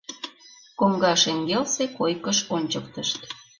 Коҥга шеҥгелсе койкыш ончыктышт.